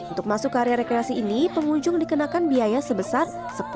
untuk masuk ke area rekreasi ini pengunjung dikenakan biaya sebesar